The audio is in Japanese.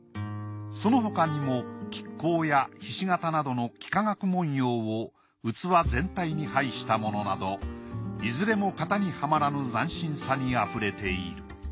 その他にも亀甲や菱形などの幾何学文様を器全体に配したものなどいずれも型にはまらぬ斬新さにあふれている。